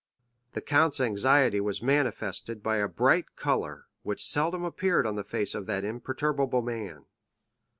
The count's anxiety was manifested by a bright color which seldom appeared on the face of that imperturbable man.